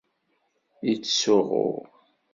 Yettsuɣu.